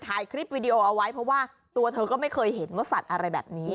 ถ่ายคลิปวิดีโอเอาไว้เพราะว่าตัวเธอก็ไม่เคยเห็นว่าสัตว์อะไรแบบนี้